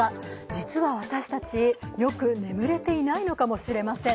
実は私たち、よく眠れていないのかもしれません。